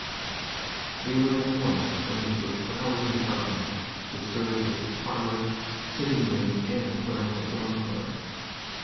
We were at once shown into a frowsy apartment which served as parlor, sitting room and parental dormitory.